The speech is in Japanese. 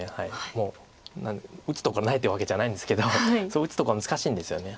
もう打つとこないってわけじゃないんですけどすごい打つとこ難しいんですよね。